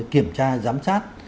kiểm tra giám sát